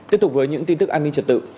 tiếp tục với những tin tức an ninh trật tự